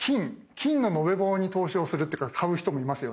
金の延べ棒に投資をするというか買う人もいますよね。